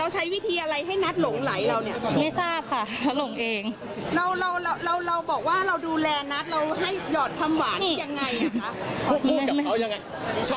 ชอบข้อมัดจริงแล้วกว่า